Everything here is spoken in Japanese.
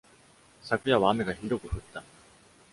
昨夜は雨がひどく降った。